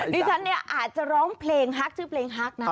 ดิฉันเนี่ยอาจจะร้องเพลงฮักชื่อเพลงฮักนะ